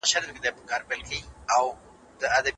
استازولۍ د خپلو اتباعو حقوق ساتي.